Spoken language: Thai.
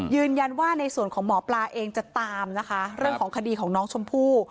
ยืนยันว่าในส่วนของหมอปลาเองจะตามนะคะเรื่องของคดีของน้องชมพู่